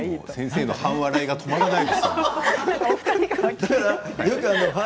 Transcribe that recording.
先生の半笑いが止まらない。